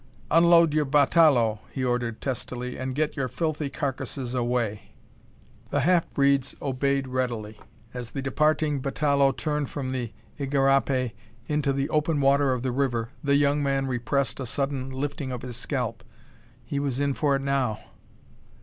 "Unload your batalõe," he ordered testily, "and get your filthy carcasses away." The half breeds obeyed readily. As the departing batalõe turned from the igarapé into the open water of the river, the young man repressed a sudden lifting of his scalp. He was in for it now!